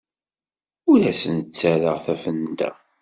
Ur asen-ttarraɣ tafenda.